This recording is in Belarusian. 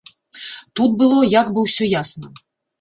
Тут было як бы ўсё ясна.